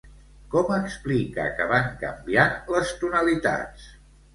Com explica que van canviant les tonalitats?